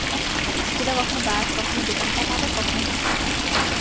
সেটা কখনো বাস, কখনো দোকানপাট, আবার কখনো হাসপাতাল।